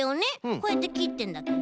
こうやってきってんだけど。